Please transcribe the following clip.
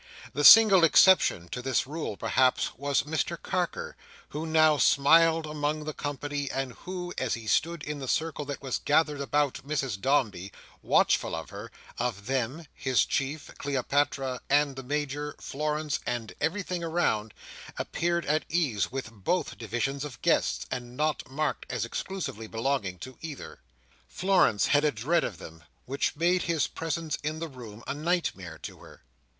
The single exception to this rule perhaps was Mr Carker, who now smiled among the company, and who, as he stood in the circle that was gathered about Mrs Dombey—watchful of her, of them, his chief, Cleopatra and the Major, Florence, and everything around—appeared at ease with both divisions of guests, and not marked as exclusively belonging to either. Florence had a dread of him, which made his presence in the room a nightmare to her.